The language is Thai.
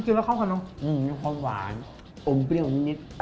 กินแล้วเข้าค่ะน้องอืมมีความหวานอมเปรี้ยวนิดนิด